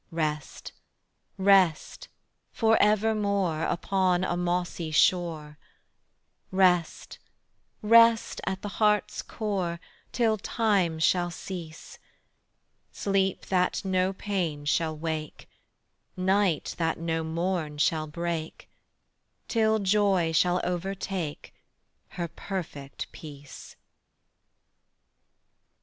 Rest, rest, forevermore Upon a mossy shore; Rest, rest at the heart's core Till time shall cease: Sleep that no pain shall wake, Night that no morn shall break, Till joy shall overtake Her perfect peace.